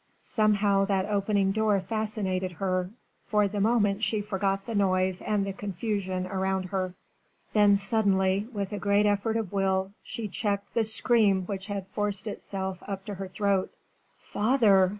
Somehow that opening door fascinated her: for the moment she forgot the noise and the confusion around her. Then suddenly with a great effort of will she checked the scream which had forced itself up to her throat. "Father!"